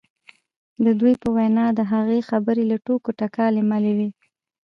د دوی په وینا د هغه خبرې له ټوکو ټکالو ملې وې